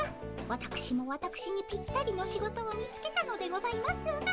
わたくしもわたくしにぴったりの仕事を見つけたのでございますが。